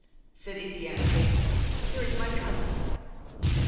"said Indiana hastily, "here is my cousin."